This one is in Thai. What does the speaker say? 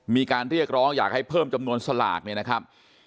มีการเรียกร้องอยากให้เพิ่มจำนวนสลากเนี่ยนะครับ